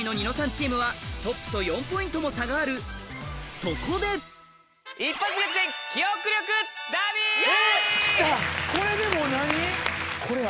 チームはトップと４ポイントも差があるそこで何の記憶力や？